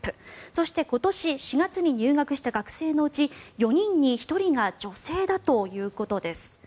そして、今年４月に入学した学生のうち４人に１人が女性だということです。